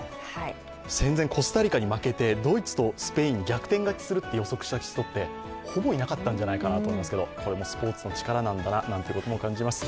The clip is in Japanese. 戦前、コスタリカに負けてドイツとスペインに逆転勝ちと予測した人ってほぼいなかったんじゃないかなと思うんですが、これもスポーツのチカラなんだなということも感じます。